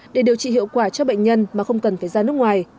để điều trị hiệu quả cho bệnh nhân mà không cần phải ra nước ngoài